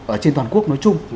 ở trên toàn quốc nói chung